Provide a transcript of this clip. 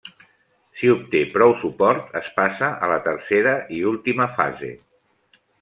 Si obté prou suport, es passa a la tercera i última fase.